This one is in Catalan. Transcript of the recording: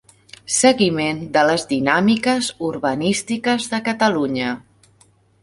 Seguiment de les dinàmiques urbanístiques de Catalunya.